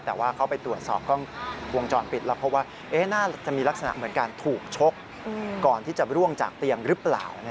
แต่ว่าเข้าไปตรวจสอบกล้องวงจรปิดแล้วเพราะว่า